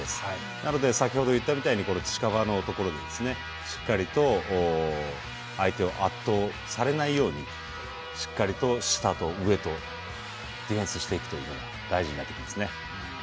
なので先ほど言ったみたいに近場のところでしっかり相手に圧倒されないようにしっかりと下と上とディフェンスしていくというのが大事になってきますね。